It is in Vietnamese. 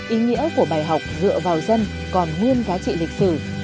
ý nghĩa của bài học dựa vào dân còn nguyên giá trị lịch sử